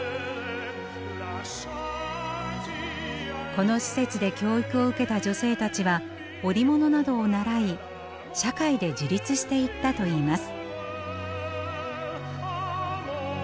この施設で教育を受けた女性たちは織物などを習い社会で自立していったといいます。